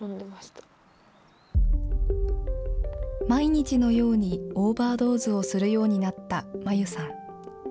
毎日のようにオーバードーズをするようになったまゆさん。